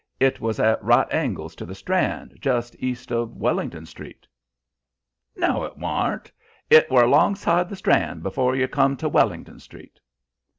It was at right angles to the Strand, just east of Wellington Street." "No, it warn't. It were alongside the Strand, before yer come to Wellington Street."